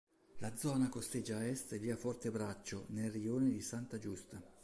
La zona costeggia a est via Fortebraccio, nel rione di Santa Giusta.